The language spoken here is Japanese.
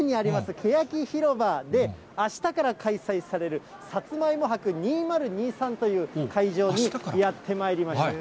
けやきひろばで、あしたから開催される、さつまいも博２０２３という会場にやって参りました。